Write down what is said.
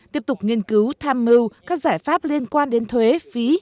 tiếp tục nghiên cứu tham mưu các giải pháp liên quan đến thuế phí